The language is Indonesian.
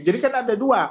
jadi kan ada dua